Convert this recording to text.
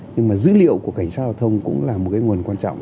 nhưng mà dữ liệu của cảnh sát giao thông cũng là một cái nguồn quan trọng